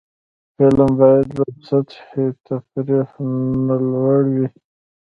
فلم باید له سطحي تفریح نه لوړ وي